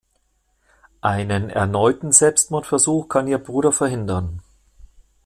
Einen erneuten Selbstmordversuch kann ihr Bruder verhindern.